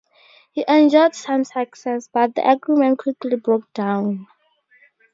He enjoyed some success, but the agreement quickly broke down.